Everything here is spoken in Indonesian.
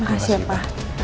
makasih ya pak